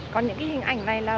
còn những cái hình ảnh này là